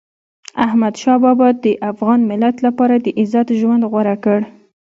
احمدشاه بابا د افغان ملت لپاره د عزت ژوند غوره کړ.